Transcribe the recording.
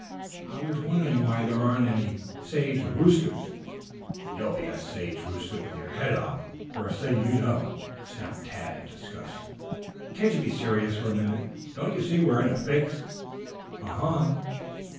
"I was wondering why there aren't any sage roosters?" "You'll be a sage rooster, with your head off, first thing you know," snapped Tad in disgust. "Can't you be serious for a minute? Don't you see we are in a fix?" "Uh huh!"